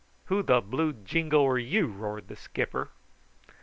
Who the blue jingo are you?" roared the skipper.